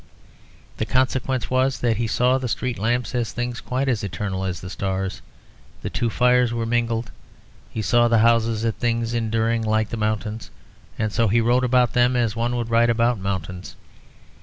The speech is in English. And the consequence was, that he saw the street lamps as things quite as eternal as the stars; the two fires were mingled. He saw the houses as things enduring, like the mountains, and so he wrote about them as one would write about mountains.